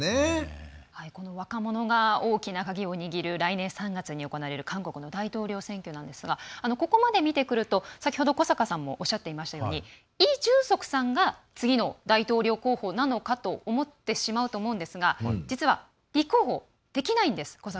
若者が大きな鍵を握る来年３月に行われる韓国の大統領選挙ですがここまで見てくると、古坂さんもおっしゃってましたようにイ・ジュンソクさんが次の大統領候補なのかと思ってしまうと思うんですが実は、立候補できないんです。